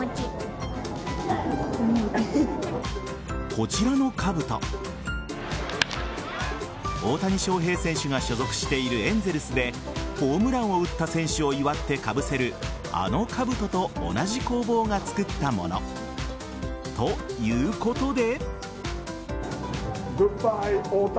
こちらのかぶと大谷翔平選手が所属しているエンゼルスでホームランを打った選手を祝ってかぶせるあのかぶとと同じ工房が作ったものということで。